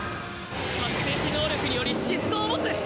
覚醒時能力により疾走を持つ。